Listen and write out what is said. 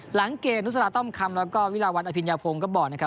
หลังเกณฑ์นุษยาต้อมคำแล้วก็วิราวรรณอภิญภงก็บอกนะครับ